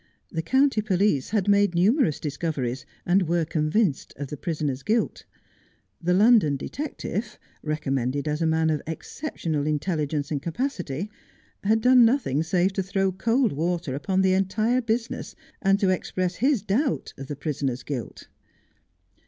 The county police had made numerous discoveries, and were convinced of the prisoner's guilt. The London detective, recommended as a man of exceptional intelligence and capacity, had done nothing save to throw cold water upon the entire business, and to express his doubt of the prisoner's guilt.